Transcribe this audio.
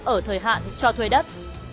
ở thời hạn cho thuê đất